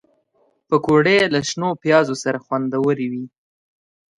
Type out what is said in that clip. پکورې له شنو پیازو سره خوندورې وي